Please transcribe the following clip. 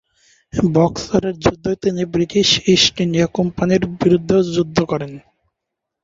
বক্সারের যুদ্ধে তিনি British East India কোম্পানির বিরুদ্ধেও যুদ্ধ করেন।